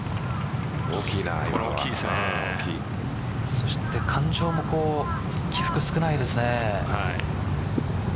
そして、感情も起伏、少ないですね。